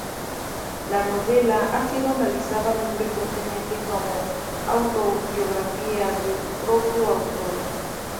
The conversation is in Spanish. La novela, ha sido analizada muy frecuentemente como autobiográfica del propio autor.